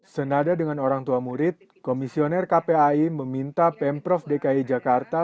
senada dengan orang tua murid komisioner kpai meminta pemprov dki jakarta